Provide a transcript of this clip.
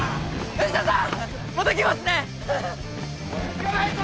藤田さん！